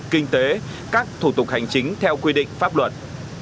kinh tế các thủ tục hành chính theo quy định pháp luật